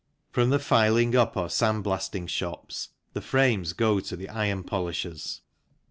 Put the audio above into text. From the filing up or sand blasting shops the frames go to the iron polishers.